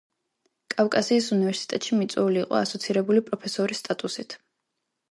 კავკასიის უნივერსიტეტში მიწვეული იყო ასოცირებული პროფესორის სტატუსით.